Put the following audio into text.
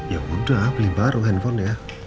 yaudah beli baru handphone ya